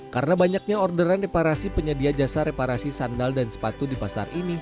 karena banyaknya orderan reparasi penyedia jasa reparasi sandal dan sepatu di pasar ini